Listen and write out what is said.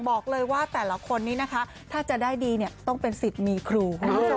บอกเลยว่าแต่ละคนนี้ถ้าจะได้ดีต้องเป็นสิทธิ์มีครู